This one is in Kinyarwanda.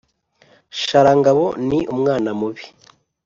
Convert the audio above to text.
Sharangabo ni umwana mubi